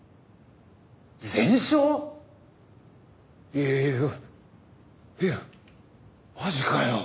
いやいやいやいやマジかよ。